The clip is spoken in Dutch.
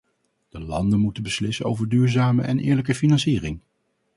De landen moeten beslissen over duurzame en eerlijke financiering.